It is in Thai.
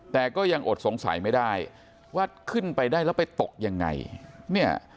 แต่ก็ยังอดสงสัยไม่ได้ว่าขึ้นไปได้แล้วไปตกยังไงเนี่ย